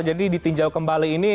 jadi ditinjau kembali ini